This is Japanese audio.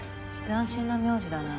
斬新な名字だな。